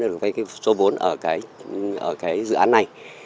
đã được vay số vốn ở cái dự án này